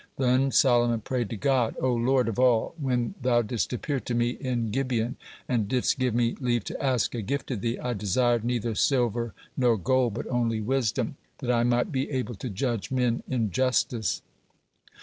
Then Solomon prayed to God: "O Lord of all, when Thou didst appear to me in Gibeon, and didst give me leave to ask a gift of Thee, I desired neither silver nor gold, but only wisdom, that I might be able to judge men in justice."